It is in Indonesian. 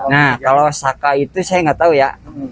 nah kalau saka itu saya nggak tahu ya